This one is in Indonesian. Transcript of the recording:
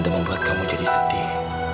dan membuat kamu jadi setih